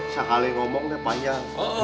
sekali ngomong deh payah